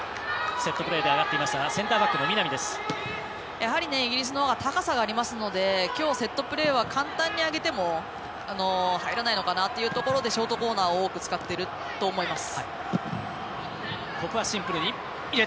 やはりイギリスのほうが高さがありますのできょう、セットプレーは簡単には上げても入らないのかなというところでショートコーナーを多く使っていると思います。